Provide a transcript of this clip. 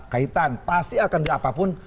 kaitan pasti akan diapapun